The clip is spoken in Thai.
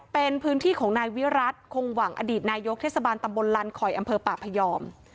เป็นพื้นที่ของนายวิรัติคงหวังอดีตนายกเทศบาลตำบลลันคอยอำเภอป่าพยอม